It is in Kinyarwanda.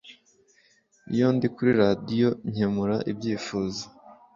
iyo ndi kuri Radio nkemura ibyifuzo